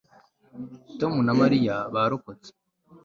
tom na mariya barokotse